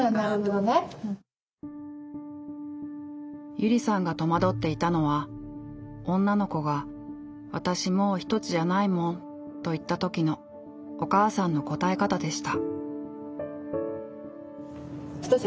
ゆりさんが戸惑っていたのは女の子が「あたしもうひとつじゃないもん」と言った時のお母さんの答え方でした。